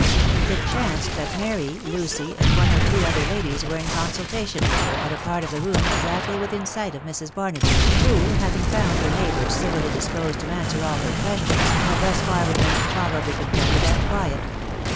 It chanced that Mary, Lucy, and one or two other ladies were in consultation with her at a part of the room exactly within sight of Mrs. Barnaby, who, having found her neigh bours civilly disposed to answer all her questions, had thus far remained tolerably contented and quiet.